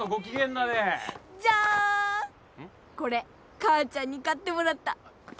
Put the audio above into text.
これ母ちゃんに買ってもらった。